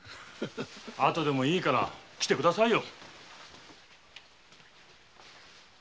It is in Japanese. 後でもいいからきてくださいよ。